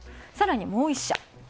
さらにもう１社。